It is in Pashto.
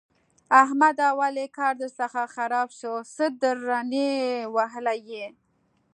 احمده! ولې کار درڅخه خراب شو؛ څه درنې وهلی يې؟!